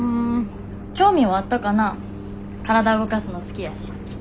体動かすの好きやし。